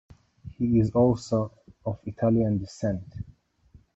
He is also of Italian descent.